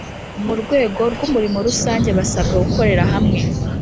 mu rwego rw’umurimo rusange basabwe gukorera hamwe